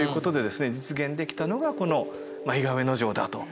実現できたのがこの伊賀上野城だと。